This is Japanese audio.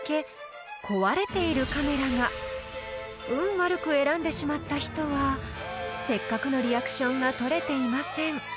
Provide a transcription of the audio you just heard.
悪く選んでしまった人はせっかくのリアクションが撮れていません］